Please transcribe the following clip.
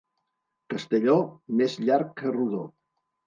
Castelló, més llarg que rodó.